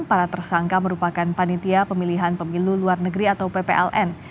para tersangka merupakan panitia pemilihan pemilu luar negeri atau ppln